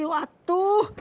oh seperti itu